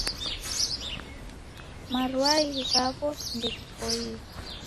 Marwai ghawo ndeghipoiye